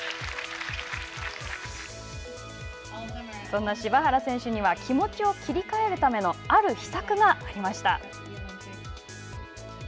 そんな柴原選手には気持ちを切り替えるためのある秘策がありました。